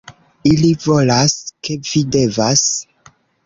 - Ili volas ke vi devas -